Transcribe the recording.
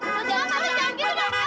nggak kamu jangan gitu dong